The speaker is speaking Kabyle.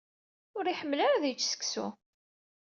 Ur iḥemmel ara ad yečč seksu.